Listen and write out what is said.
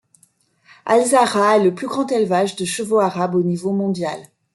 Al Zahraa est le plus grand élevage de chevaux arabes au niveau mondial.